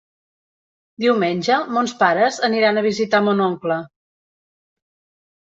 Diumenge mons pares aniran a visitar mon oncle.